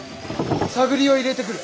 探りを入れてくる。